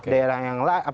daerah yang lain